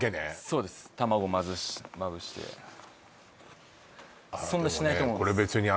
そうです卵まずまぶしてそんなしないと思うんですでもね